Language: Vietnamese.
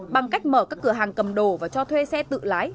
bằng cách mở các cửa hàng cầm đồ và cho thuê xe tự lái